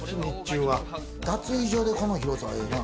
脱衣所でこの広さ、ええな。